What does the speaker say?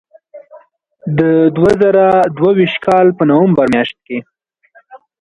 د دوه زره دوه ویشت کال په نومبر میاشت کې.